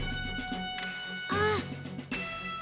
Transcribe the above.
ああ。